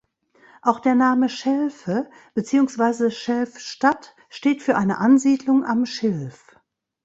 Auch der Name "Schelfe" beziehungsweise Schelfstadt steht für eine Ansiedlung am Schilf.